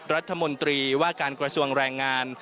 รัฐมนตรีว่าการกระทรวงแรงงาน